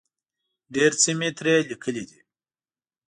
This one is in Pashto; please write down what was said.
ډېر څه مې ترې لیکلي دي.